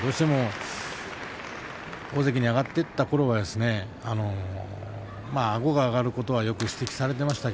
大関に上がっていったころはあごが上がることはよく指摘されていました。